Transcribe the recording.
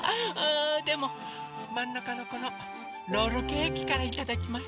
でもまんなかのこのロールケーキからいただきます。